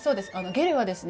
ゲルはですね